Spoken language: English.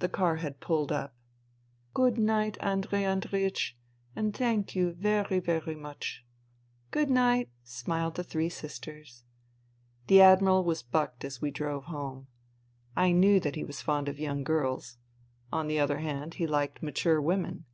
The car had pulled up. " Good night, Andrei Andreiech, and thank you very, very much." *' Good night," smiled the three sisters. The Admiral was bucked as we drove home. I knew that he was fond of young girls. On the other hand, he liked mature women.